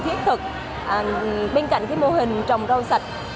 thiết kế tạo ra nhiều mô hình tạo ra nhiều mô hình tạo ra nhiều mô hình tạo ra nhiều mô hình